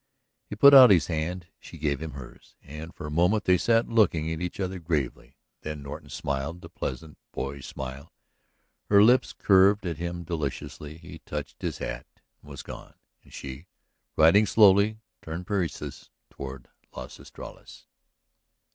He put out his hand; she gave him hers and for a moment they sat looking at each other gravely. Then Norton smiled, the pleasant boyish smile, her lips curved at him deliciously, he touched his hat and was gone. And she, riding slowly, turned Persis toward Las Estrellas.